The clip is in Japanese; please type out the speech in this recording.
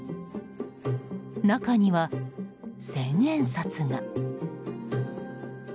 中には千円札が。